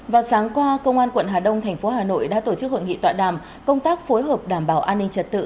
vào sáng qua công an quận hà đông thành phố hà nội đã tổ chức hội nghị tọa đàm công tác phối hợp đảm bảo an ninh trật tự